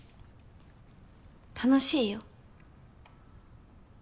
楽しいよ。